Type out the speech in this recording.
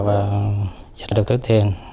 và giật được tuyết tiền